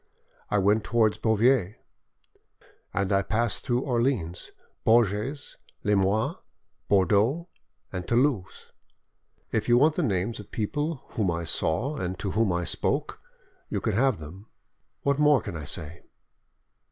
I went towards Beauvais, end I passed through Orleans, Bourges, Limoges, Bordeaux, and Toulouse. If you want the names of people whom I saw and to whom I spoke, you can have them. What more can I say?"